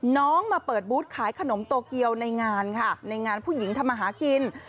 น้องมาเปิดบูธขายขนมโตเกียวในงานค่ะในงานผู้หญิงทำมาหากิน